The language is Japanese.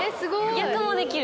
逆もできる。